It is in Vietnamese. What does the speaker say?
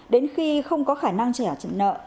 đến khi không có khả năng trả trận nợ